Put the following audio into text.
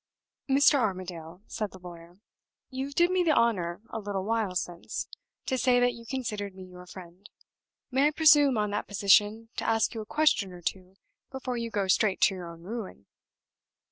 "Mr. Armadale," said the lawyer, "you did me the honor, a little while since, to say that you considered me your friend. May I presume on that position to ask you a question or two, before you go straight to your own ruin?"